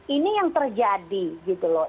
ini yang terjadi gitu loh